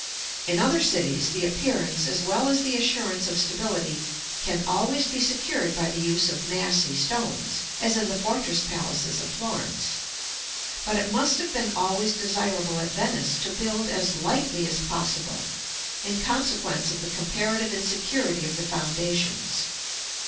In other cities, the appearance as well as the assurance of stability can always be secured by the use of massy stones, as in the fortress palaces of Florence; but it must have been always desirable at Venice to build as lightly as possible, in consequence of the comparative insecurity of the foundations.